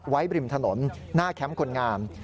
บริมถนนหน้าแคมป์คนงาม